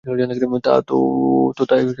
তো তাই করা হলো।